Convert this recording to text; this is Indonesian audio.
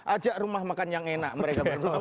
ajak rumah makan yang enak mereka berdua